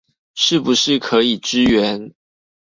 是不是可以支援